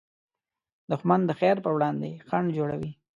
دښمن د خیر پر وړاندې خنډ جوړوي